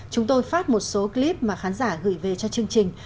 chúng tôi phát một số clip mà khán giả gửi về cho chương trình